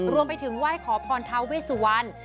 รวมไปถึงไหว้ขอพรทาเวสุวรรณ